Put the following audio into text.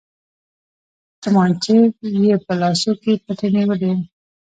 تمانچې يې په لاسو کې پټې نيولې وې.